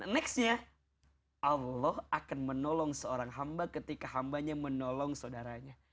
nextnya allah akan menolong seorang hamba ketika hambanya menolong saudaranya